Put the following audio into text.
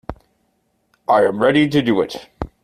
I am ready to do it.